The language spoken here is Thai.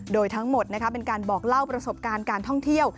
โดยทั้งหมดเป็นการบอกเล่าประสบการณ์การท่องเที่ยว